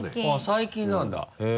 最近なんだへぇ。